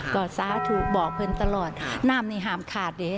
อดซ้าถูกบอกเพื่อนตลอดน้ำนี่ห้ามขาดเลย